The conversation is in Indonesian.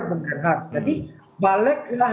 beneran jadi baliklah